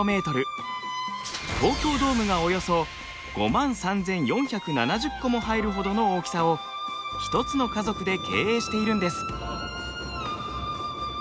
東京ドームがおよそ５万３，４７０個も入るほどの大きさを一つの家族で経営しているんです。